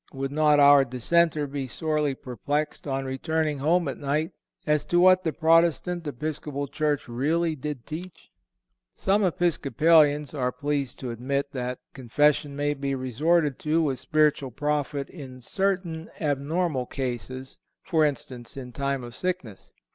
Would not our dissenter be sorely perplexed, on returning home at night, as to what the Protestant Episcopal church really did teach? Some Episcopalians are pleased to admit that confession may be resorted to with spiritual profit in certain abnormal cases—for instance, in time of sickness.